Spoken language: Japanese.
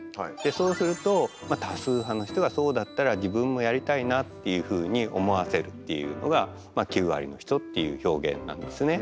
そうすると多数派の人がそうだったら自分もやりたいなっていうふうに思わせるっていうのが「９割の人」っていう表現なんですね。